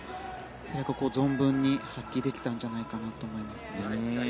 それが存分に発揮できたんじゃないかと思います。